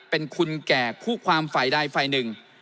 เป็นคุณแก่คู่ความฝ่ายใดฝ่ายหนึ่ง